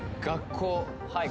はい